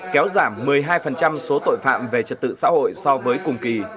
kéo giảm một mươi hai số tội phạm về trật tự xã hội so với cùng kỳ